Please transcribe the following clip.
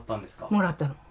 もらったの。